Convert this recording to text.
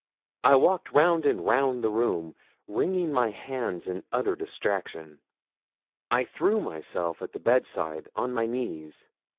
I walked round and round the room, wringing my hands in utter distraction. I threw myself at the bedside on my knees.